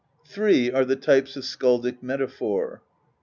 "Three are the types of skaldic metaphor."